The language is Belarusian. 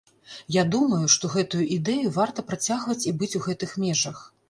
Я думаю, што гэтую ідэю варта працягваць і быць у гэтых межах.